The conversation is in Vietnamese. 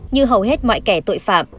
như hầu hết mọi kẻ tội phạm